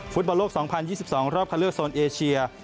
ฟุตบอลโลก๒๐๒๒รอบคันเลือกโซนเอเชีย